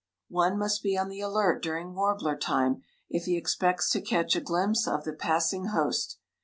One must be on the alert during warbler time if he expects to catch a glimpse of the passing host.